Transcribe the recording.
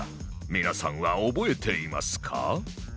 皆さんは覚えていますか？